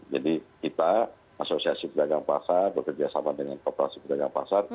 jadi kita asosiasi pedagang pasar bekerjasama dengan populasi pedagang pasar